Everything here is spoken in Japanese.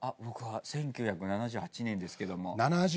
僕は１９７８年ですけども。